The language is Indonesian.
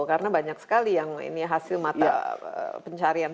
karena banyak sekali yang ini hasil mata pencarian